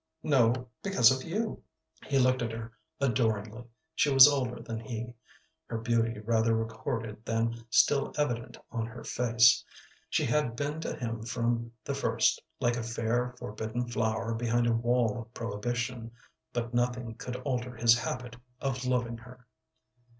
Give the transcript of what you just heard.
"No; because of you." He looked at her adoringly. She was older than he, her beauty rather recorded than still evident on her face; she had been to him from the first like a fair, forbidden flower behind a wall of prohibition, but nothing could alter his habit of loving her.